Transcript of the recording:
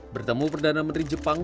bertemu perdana menteri jepang